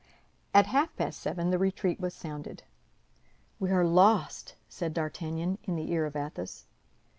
At half past seven the retreat was sounded. "We are lost," said D'Artagnan, in the ear of Athos.